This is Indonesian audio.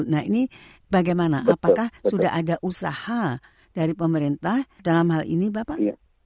nah ini bagaimana apakah sudah ada usaha dari pemerintah dalam hal ini bapak